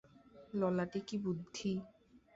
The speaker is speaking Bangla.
ললাটে কী বুদ্ধি!